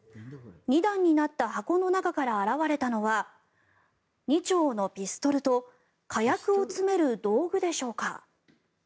２段になった箱の中から現れたのは２丁のピストルと火薬を詰める道具でしょうか。